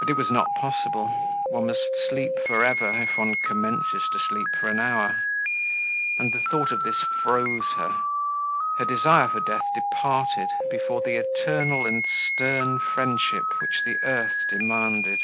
But it was not possible—one must sleep forever, if one commences to sleep for an hour; and the thought of this froze her, her desire for death departed before the eternal and stern friendship which the earth demanded.